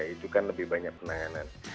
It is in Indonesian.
itu kan lebih banyak penanganan